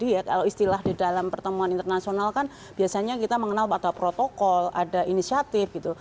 ya kalau istilah di dalam pertemuan internasional kan biasanya kita mengenal pada protokol ada inisiatif gitu